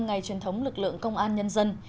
ngày truyền thống lực lượng công an nhân dân